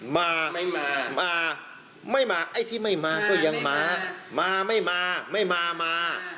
มาไม่มามาไม่มาไอ้ที่ไม่มาก็ยังมามาไม่มาไม่มามา